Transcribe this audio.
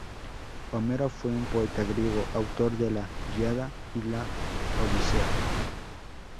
Homero fue un poeta griego, autor de la "Ilíada" y la "Odisea".